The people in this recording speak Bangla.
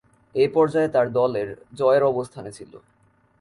এ পর্যায়ে তার দলের জয়ের অবস্থানে ছিল।